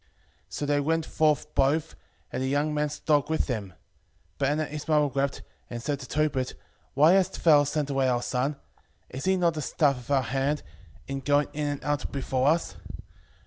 So they went forth both, and the young man's dog with them. 5:17 But Anna his mother wept, and said to Tobit, Why hast thou sent away our son? is he not the staff of our hand, in going in and out before us?